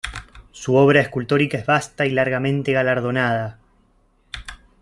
Su obra escultórica es vasta y largamente galardonada.